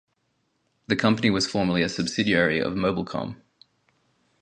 The company was formerly a subsidiary of Mobilcom.